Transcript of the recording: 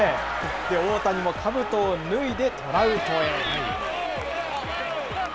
大谷もかぶとを脱いでトラウトへ。